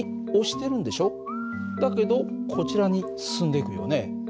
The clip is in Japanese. だけどこちらに進んでいくよね。